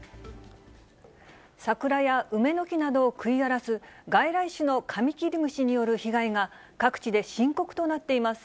桜や梅の木などを食い荒らす、外来種のカミキリムシによる被害が、各地で深刻となっています。